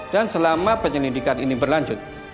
dan selama penyelidikan ini berlanjut